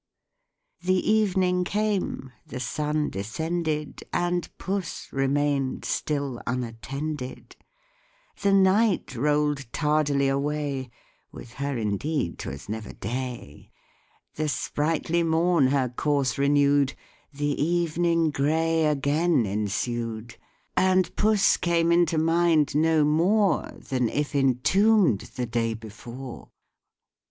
The evening came, the sun descended, And Puss remain'd still unattended. The night roll'd tardily away, (With her indeed 'twas never day,) The sprightly morn her course renew'd, The evening grey again ensued, And puss came into mind no more Than if entomb'd the day before.